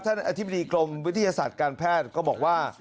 อธิบดีกรมวิทยาศาสตร์การแพทย์ก็บอกว่า